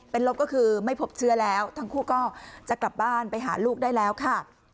เป็นลบก็คือไม่พบเชื้อแล้วทั้งคู่ก็จะกลับบ้านไปหาลูกได้แล้วค่ะ